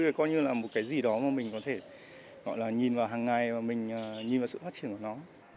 coi như là một cái gì đó mà mình có thể gọi là nhìn vào hàng ngày và mình nhìn vào sự phát triển của nó